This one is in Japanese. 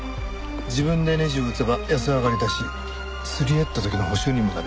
自分でネジを打てば安上がりだしすり減った時の補修にもなる。